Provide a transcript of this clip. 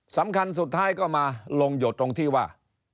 สำคัญสุดท้ายก็มาลงหยดตรงที่ว่า